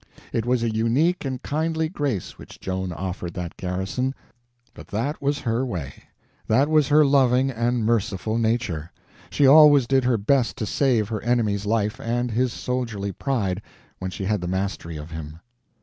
It was a unique and kindly grace which Joan offered that garrison; but that was her way, that was her loving and merciful nature—she always did her best to save her enemy's life and his soldierly pride when she had the mastery of him.